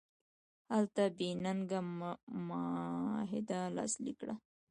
هلته یې ننګینه معاهده لاسلیک کړه.